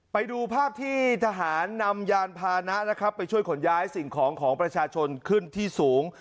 ไปดูภาพที่ทหารนำยานพานะนะครับไปช่วยขนย้ายสิ่งของของประชาชนขึ้นที่สูง